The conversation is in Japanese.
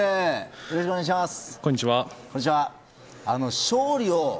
よろしくお願いします。